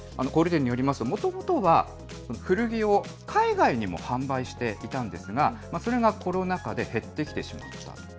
小売り店によりますと、もともとは古着を海外にも販売していたんですが、それがコロナ禍で減ってきてしまった。